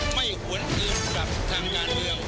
ไม่ควรเตรียมกับทางด้านเดียว